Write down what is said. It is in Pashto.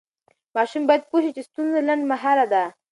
ماشوم باید پوه شي چې ستونزه لنډمهاله ده.